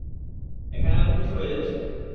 এখানে অনেক কিছু হয়ে যাচ্ছে!